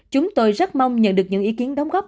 chúng tôi rất mong nhận được những thông tin đáng chú ý